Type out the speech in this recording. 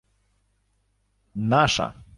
— Наша!